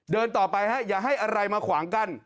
เดินต่อไปฮะอย่าให้อะไรมาขวางกั้น